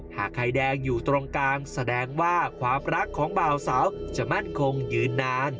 หากไข่แดงอยู่ตรงกลางแสดงว่าความรักของเบาสาวจะมั่นคงยืนนาน